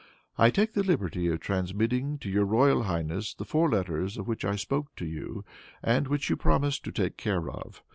"I take the liberty of transmitting to your royal highness the four letters of which I spoke to you, and which you promised to take care of.